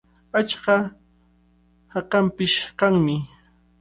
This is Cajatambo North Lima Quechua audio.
Achka hakanpish kanmi.